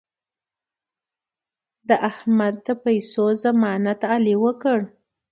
د احمد د پیسو ضمانت علي وکړ.